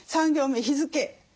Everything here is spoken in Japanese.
３行目日付。